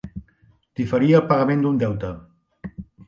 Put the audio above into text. Diferir el pagament d'un deute.